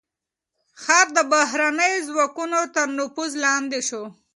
ښار د بهرنيو ځواکونو تر نفوذ لاندې شو.